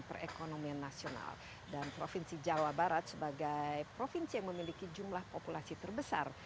perekonomian nasional dan provinsi jawa barat sebagai provinsi yang memiliki jumlah populasi terbesar